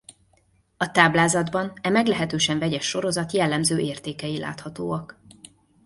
A táblázatban e meglehetősen vegyes sorozat jellemző értékei láthatóak.